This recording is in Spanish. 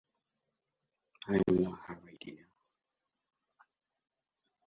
Fue la esposa del rey Conrado.